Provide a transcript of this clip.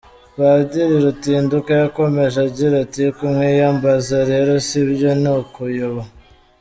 Padiri Rutinduka yakomeje agira ati “Kumwiyambaza rero si byo, ni ukuyoba.